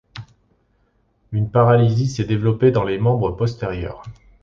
Une paralysie s'est développée dans les membres postérieurs.